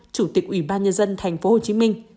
chủ tịch ủy ban nhân dân tp hcm